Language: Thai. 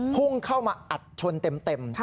พุ่งเข้ามาอัดชนเต็ม